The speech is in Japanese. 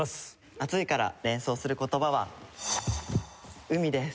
「暑い」から連想する言葉は「海」です。